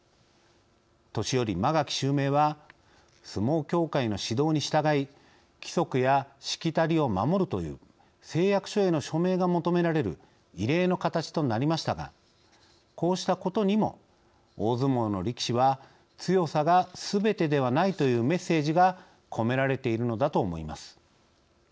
年寄・間垣襲名は相撲協会の指導に従い規則やしきたりを守るという誓約書への署名が求められる異例の形となりましたがこうしたことにも大相撲の力士は強さがすべてではないというメッセージが込められているのだと思います。